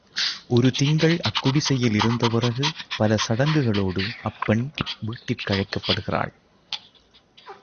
ஒரு திங்கள் அக்குடிசையில் இருந்தபிறகு, பல சடங்குகளோடு அப்பெண் வீட்டிற்கழைக்கப்படுகிறாள்.